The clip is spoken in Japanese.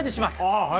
ああはい。